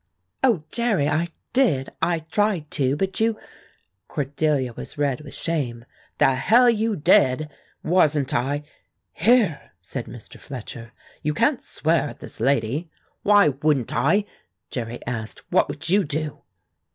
"Oh, Jerry, I did I tried to, but you " Cordelia was red with shame. "The hell you did! Wasn't I " "Here!" said Mr. Fletcher; "you can't swear at this lady." "Why wouldn't I?" Jerry asked. "What would you do?"